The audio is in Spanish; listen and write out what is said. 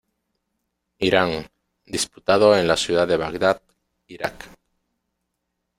Irán, disputado en la ciudad de Bagdad, Irak.